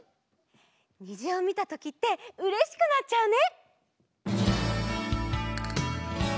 にじをみたときってうれしくなっちゃうね！